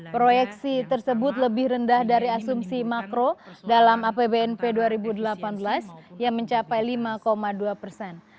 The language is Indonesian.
proyeksi tersebut lebih rendah dari asumsi makro dalam apbnp dua ribu delapan belas yang mencapai lima dua persen